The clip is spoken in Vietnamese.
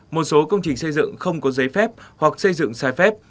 một số công trình xây dựng không có giấy phép hoặc xây dựng sai phép